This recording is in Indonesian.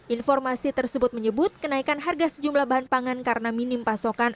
informasi tersebut menyebut kenaikan harga sejumlah bahan pangan karena minim pasokan